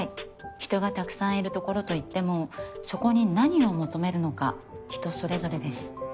人がたくさんいるところといってもそこに何を求めるのか人それぞれです。